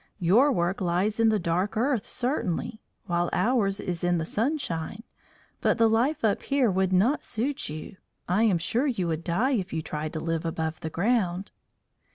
Your work lies in the dark earth, certainly, while ours is in the sunshine; but the life up here would not suit you. I am sure you would die if you tried to live above the ground."